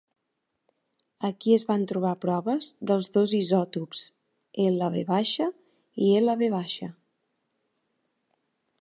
Aquí es van trobar proves dels dos isòtops Lv i Lv.